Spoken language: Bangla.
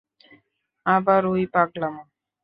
আবার ঐ পাগলামো?